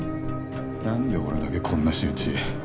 なんで俺だけこんな仕打ち。